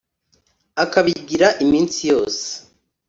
akabigira iminsi yose.